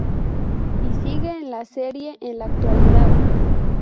Y sigue en la serie en la actualidad.